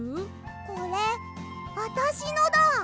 これあたしのだ。